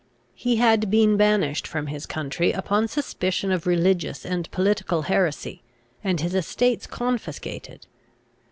He had been banished his country upon suspicion of religious and political heresy, and his estates confiscated.